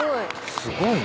すごいな。